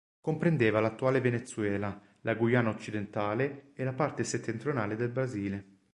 Comprendeva l'attuale Venezuela, la Guyana occidentale e la parte settentrionale del Brasile.